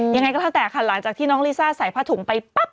ยังไงก็แล้วแต่ค่ะหลังจากที่น้องลิซ่าใส่ผ้าถุงไปปั๊บ